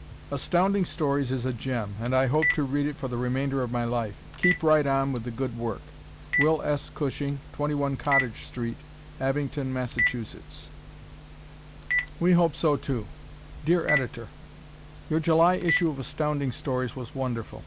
Astounding Stories is a gem, and I hope to read it for the remainder of my life. Keep right on with the good work. Will S. Cushing, 21 Cottage St., Abington, Massachusetts. We Hope So, Too! Dear Editor: Your July issue of Astounding Stories was wonderful.